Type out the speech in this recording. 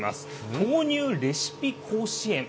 豆乳レシピ甲子園。